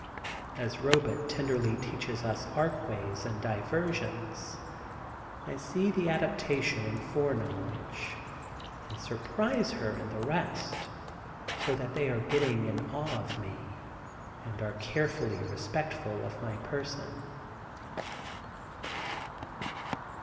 As Robet tenderly teaches us Arc ways and diversions, I see the adaptation in foreknowledge, and surprise her and the rest, so that they are getting an awe of me, and are carefully respectful of my person.